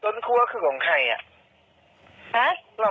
ก็เห็นอาจารย์เดินอยู่ศาลห้ามบินน้ำนะวันนี้ไปกันมา